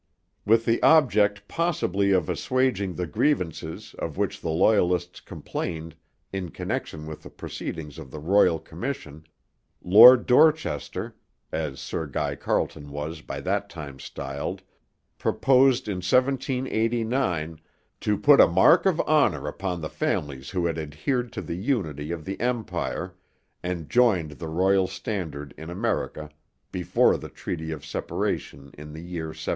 With the object possibly of assuaging the grievances of which the Loyalists complained in connection with the proceedings of the royal commission, Lord Dorchester (as Sir Guy Carleton was by that time styled) proposed in 1789 'to put a Marke of Honor upon the families who had adhered to the unity of the empire, and joined the Royal Standard in America before the Treaty of Separation in the year 1783.'